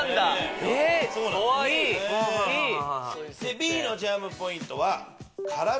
Ｂのチャームポイント。